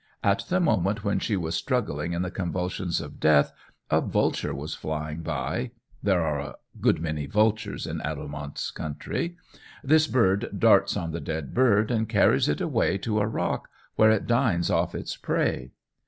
At the moment when she was struggling in the convulsions of death, a vulture was flying by (there are a good many vultures in Adelmonte's country); this bird darts on the dead bird and carries it away to a rock, where it dines off its prey.